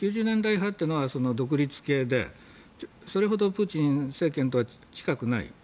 ９０年代派というのは独立系でそれほどプーチン政権とは近くない。